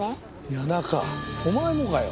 谷中お前もかよ。